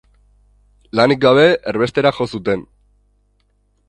Lanik gabe, erbestera jo zuten.